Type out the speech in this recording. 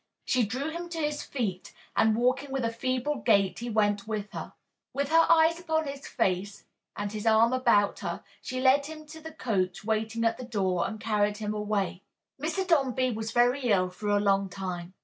She drew him to his feet, and walking with a feeble gait he went with her. With her eyes upon his face and his arm about her, she led him to the coach waiting at the door and carried him away. Mr. Dombey was very ill for a long time.